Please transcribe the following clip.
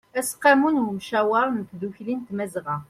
aseqqamu n ymcawer n tdukli n tmazɣa